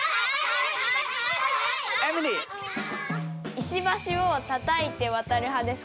石橋をたたいてわたる派ですか？